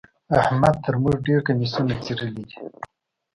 احمد تر موږ ډېر کميسونه څيرلي دي.